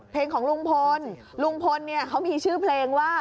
เพลงของลุงพลลุงพลเขามีชื่อเพลงว่า